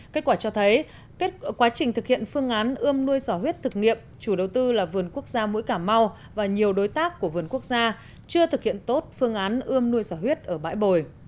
kết quả cho thấy quá trình thực hiện phương án ươm nuôi giỏ huyết thực nghiệm chủ đầu tư là vườn quốc gia mũi cảm mau và nhiều đối tác của vườn quốc gia chưa thực hiện tốt phương án ươm nuôi xà huyết ở bãi bồi